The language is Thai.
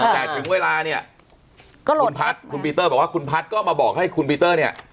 แต่ถึงเวลาเนี่ยคุณพัทก็มาบอกให้คุณปีเตอร์เนี่ย